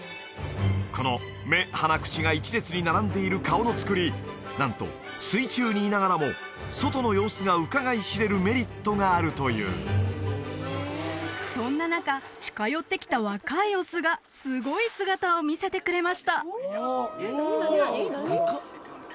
この目鼻口が一列に並んでいる顔のつくりなんと水中にいながらも外の様子がうかがい知れるメリットがあるというそんな中近寄ってきた若いオスがすごい姿を見せてくれましたうわ！